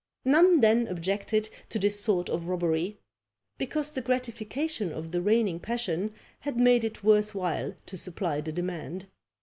None then objected to this sort of robbery; because the gratification of the reigning passion had made it worth while to supply the demand.